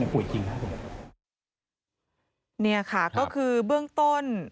นี่ค่ะก็คือเบื้องต้น